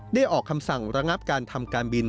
ออกคำสั่งระงับการทำการบิน